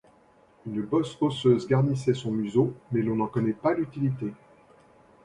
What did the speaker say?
Une bosse osseuse garnissait son museau mais l'on n'en connaît pas l'utilité.